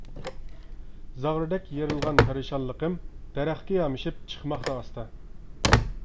زاغرىدەك يېرىلغان پەرىشانلىقىم، دەرەخكە يامىشىپ چىقماقتا ئاستا.